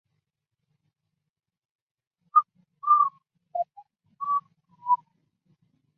堪察加彼得巴夫洛夫斯克。